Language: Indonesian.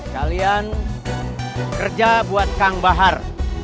kalian kerja buat kang bahar